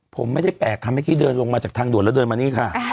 พี่ส่วนดูแล้วเดินมานี้ค่ะ